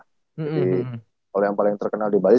jadi kalau yang paling terkenal di bali